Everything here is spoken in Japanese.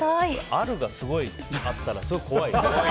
あるがすごいあったらすごい怖いね。